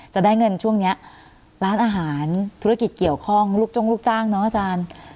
จะได้เงินช่วงนี้ร้านอาหารธุรกิจเกี่ยวข้องลูกจ้งลูกจ้างเนอะอาจารย์